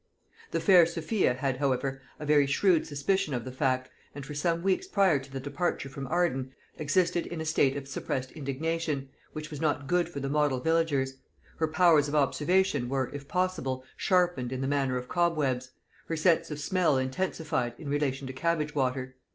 The fair Sophia had, however, a very shrewd suspicion of the fact, and for some weeks prior to the departure from Arden, existed in a state of suppressed indignation, which was not good for the model villagers; her powers of observation were, if possible, sharpened in the matter of cobwebs; her sense of smell intensified in relation to cabbage water.